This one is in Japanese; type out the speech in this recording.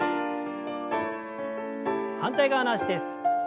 反対側の脚です。